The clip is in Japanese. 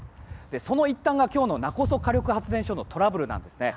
その一端が今日の勿来火力発電所のトラブルなんですね。